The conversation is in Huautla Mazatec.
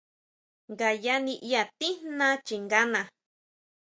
Ngaya niʼya tijná chingana.